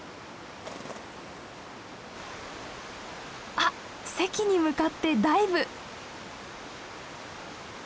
あっ堰に向かってダイブ！